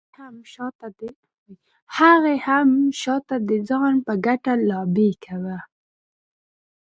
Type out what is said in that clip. هغې هم شاته د ځان په ګټه لابي کاوه.